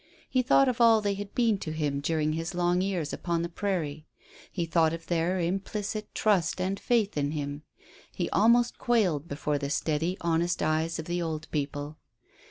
He thought of all they had been to him during his long years upon the prairie. He thought of their implicit trust and faith in him. He almost quailed before the steady, honest eyes of the old people.